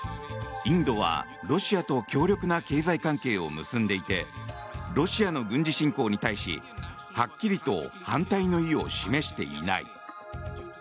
インドはロシアと強力な経済関係を結んでいてロシアの軍事侵攻に対しはっきりと反対の意を示していない。